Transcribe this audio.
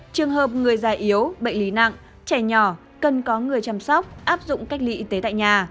trường hợp người già yếu bệnh lý nặng trẻ nhỏ cần có người chăm sóc áp dụng cách ly y tế tại nhà